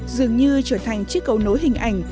dường như trở thành chiếc cầu nối hình ảnh